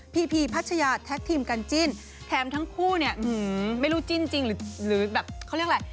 พีพัชยาแท็กทีมกันจิ้นแถมทั้งคู่เนี่ยไม่รู้จิ้นจริงหรือแบบเขาเรียกอะไร